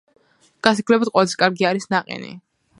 გასაგრილებლად ყველაზე კარგი არის ნაყინი